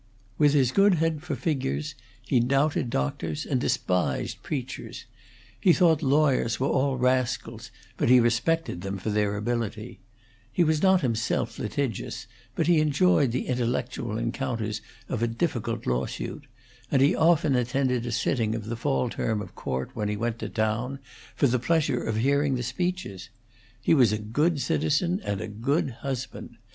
With his good head for figures he doubted doctors and despised preachers; he thought lawyers were all rascals, but he respected them for their ability; he was not himself litigious, but he enjoyed the intellectual encounters of a difficult lawsuit, and he often attended a sitting of the fall term of court, when he went to town, for the pleasure of hearing the speeches. He was a good citizen, and a good husband.